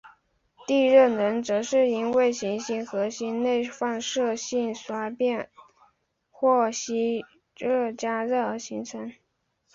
地热能则是因为行星核心内放射性衰变或吸积加热而形成。